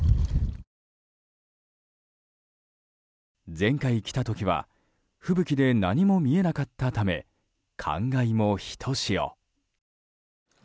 前回来た時は吹雪で何も見えなかったため感慨もひとしお。